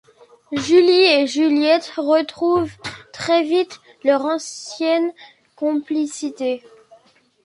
Julie et Juliet retrouvent très vite leur ancienne complicité.